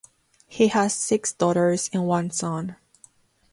He has six daughters and one son.